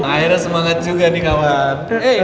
akhirnya semangat juga nih kawan